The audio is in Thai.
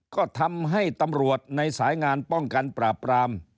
ก็ทำให้ตำรวจในสายงานป้องกันปราบปราม